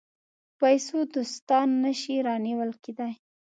په پیسو دوستان نه شي رانیول کېدای.